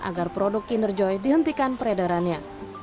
agar produk kinder joy dihentikan peredarannya